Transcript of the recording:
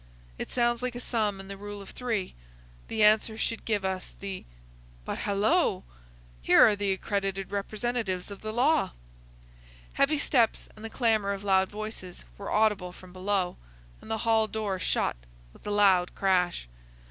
It sounds like a sum in the rule of three. The answer should give us the—But halloa! here are the accredited representatives of the law." Heavy steps and the clamour of loud voices were audible from below, and the hall door shut with a loud crash.